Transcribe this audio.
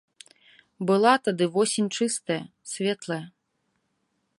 Была тады восень чыстая, светлая.